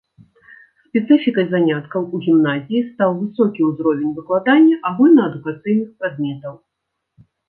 Спецыфікай заняткаў у гімназіі стаў высокі ўзровень выкладання агульнаадукацыйных прадметаў.